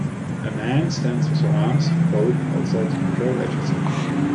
A man stands with her arms folded outside a travel agency.